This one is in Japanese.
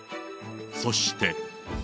そして。